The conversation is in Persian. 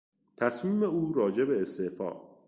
تصمیم او راجع به استعفا